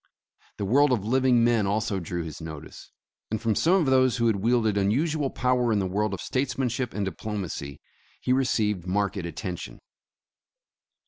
The world of living men also drew his notice, and from some of those who had wielded unusual power in the world of statesmanship and diplomacy, he received marked attention.